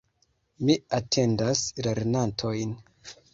Mi atendas lernantojn.